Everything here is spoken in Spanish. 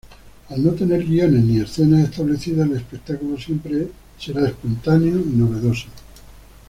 Al no tener guiones ni escenas establecidas el espectáculo siempre será espontáneo y novedoso.